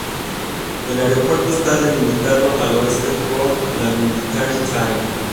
El aeropuerto está delimitado al oeste por la Military Trail.